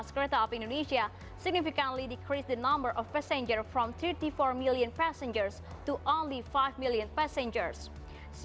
pertama tama saya ingin menjelaskan kesempatan covid sembilan belas dan penyelamat ekonomi jakarta